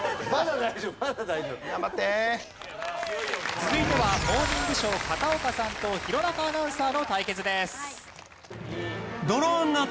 続いては『モーニングショー』片岡さんと弘中アナウンサーの対決です。